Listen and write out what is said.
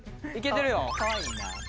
かわいいな。